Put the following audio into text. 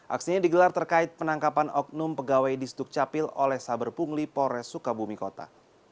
aksinya digelar terkait penangkapan oknum pegawai di sdukcapil oleh saber pungli polres sukabumi kota